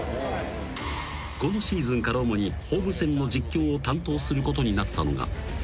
［このシーズンから主にホーム戦の実況を担当することになったのが］